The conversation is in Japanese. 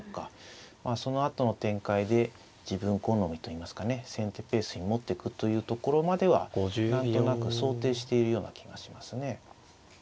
まあそのあとの展開で自分好みといいますかね先手ペースに持ってくというところまでは何となく想定しているような気がしますね。